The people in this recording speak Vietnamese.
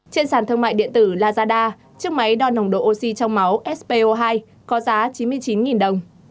trên sàn thương mại điện tử lazada chiếc máy đo nồng độ oxy trong máu spo hai có giá chín mươi chín đồng